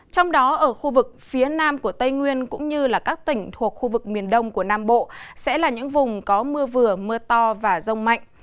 trong đó ở khu vực phía nam của tây nguyên cũng như các tỉnh thuộc khu vực miền đông của nam bộ sẽ là những vùng có mưa vừa mưa to và rông mạnh